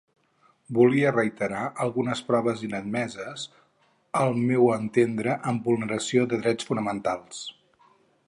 Volia reiterar algunes proves inadmeses, al meu entendre amb vulneració de drets fonamentals.